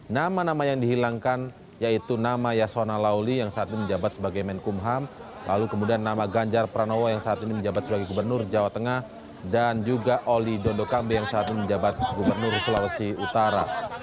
nama nama yang dihilangkan yaitu nama yasona lawli yang saat ini menjabat sebagai menkumham lalu kemudian nama ganjar pranowo yang saat ini menjabat sebagai gubernur jawa tengah dan juga oli dondokambe yang saat ini menjabat gubernur sulawesi utara